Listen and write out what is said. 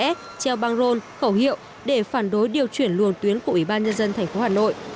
pháp vân cầu rẽ treo băng rôn khẩu hiệu để phản đối điều chuyển luồng tuyến của ủy ban nhân dân tp hà nội